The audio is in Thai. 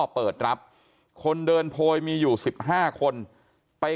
ความปลอดภัยของนายอภิรักษ์และครอบครัวด้วยซ้ำ